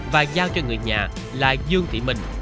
và giao cho người nhà là dương thị mình